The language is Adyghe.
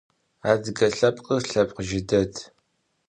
Adıge lhepkhır lhepkh zjı ded.